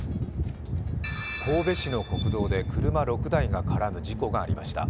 神戸市の国道で車６台が絡む事故がありました。